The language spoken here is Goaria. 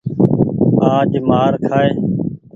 آج مآر کآئي۔